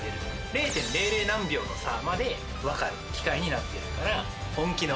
０．００何秒の差まで分かる機械になってるから。